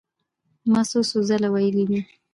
ما څو څو ځله وئيلي دي